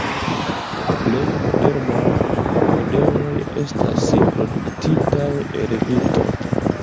Plej modernaj modeloj estas produktitaj el vitro.